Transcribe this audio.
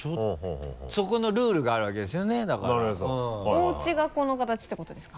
おうちがこの形ってことですか？